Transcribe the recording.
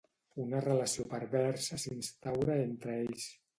Una relació perversa s'instaura entre ells.